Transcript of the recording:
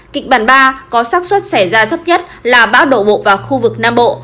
kịch bản ba có sắc xuất xảy ra thấp nhất là bão đổ bộ vào khu vực nam bộ